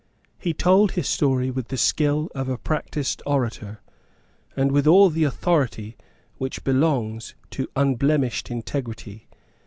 He told his story with all the skill of a practised orator, and with all the authority which belongs to unblemished integrity.